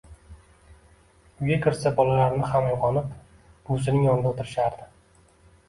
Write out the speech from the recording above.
Uyga kirsa, bolalari ham uyg`onib, buvisining yonida o`tirishardi